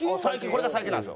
これが最近なんですよ。